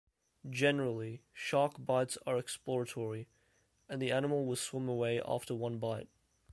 Generally, shark bites are exploratory, and the animal will swim away after one bite.